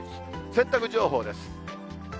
洗濯情報です。